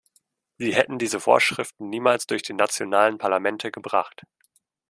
Sie hätten diese Vorschriften niemals durch die nationalen Parlamente gebracht.